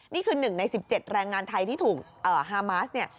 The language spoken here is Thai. นี่คือ๑ใน๑๗แรงงานไทยที่ถูกฮามาสเนี่ย